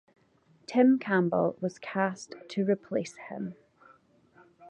Tim Campbell was cast to replace him.